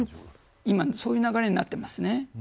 今そういう流れになっていますね。